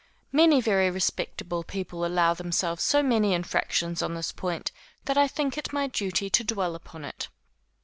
Many very respectable people allow themselves so many infractions on this point, that I think it my duty to dwell upon it.